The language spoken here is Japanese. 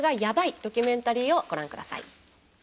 ドキュメンタリーをご覧ください。